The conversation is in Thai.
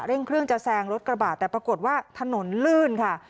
เครื่องจะแซงรถกระบาดแต่ปรากฏว่าถนนลื่นค่ะ